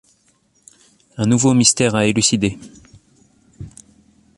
Un nouveau mystère à élucider...